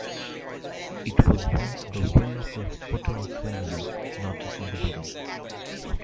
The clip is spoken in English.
It was once the will of the Hotung family not to sell the building.